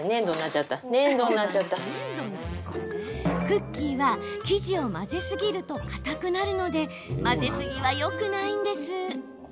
クッキーは、生地を混ぜすぎるとかたくなるので混ぜすぎはよくないんです。